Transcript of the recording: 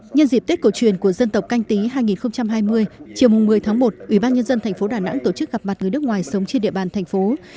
nhân dịp tết cổ truyền của dân tộc canh tý hai nghìn hai mươi chiều một mươi một ủy ban nhân dân tp đà nẵng tổ chức gặp mặt người nước ngoài sống trên địa bàn thành phố